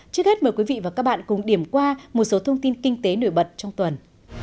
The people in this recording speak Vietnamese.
trước hết mời quý vị và các bạn cùng điểm qua một số thông tin kinh tế nổi bật trong tuần